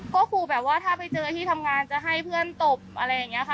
ก็คือแบบว่าถ้าไปเจอที่ทำงานจะให้เพื่อนตบอะไรอย่างนี้ค่ะ